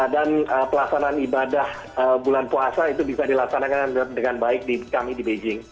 dan pelaksanaan ibadah bulan puasa itu bisa dilaksanakan dengan baik di kami di beijing